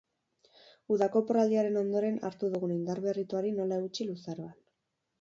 Udako oporraldiaren ondoren hartu dugun indarberrituari nola eutsi luzaroan.